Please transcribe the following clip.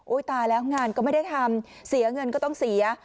ตายแล้วงานก็ไม่ได้ทำเสียเงินก็ต้องเสีย